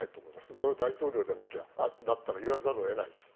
それは大統領だったら言わざるを得ないです。